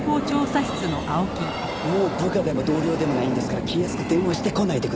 もう部下でも同僚でもないんですから気安く電話してこないでください。